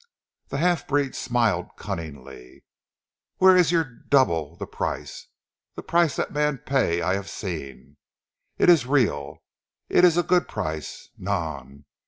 The half breed smiled cunningly. "Where is your double zee price? Zee price dat man pay I haf seen. Eet ees real! Eet ees a good price! Non!